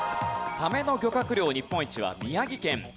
サメの漁獲量日本一は宮城県。